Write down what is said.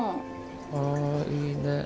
あいいね。